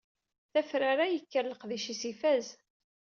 Tafrara yekker leqdic-is ifaz.